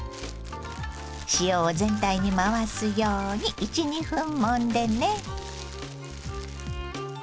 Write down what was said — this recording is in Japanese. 塩を全体に回すように１２分もんでね。